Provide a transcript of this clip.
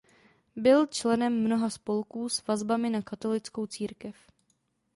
Byl členem mnoha spolků s vazbami na katolickou církev.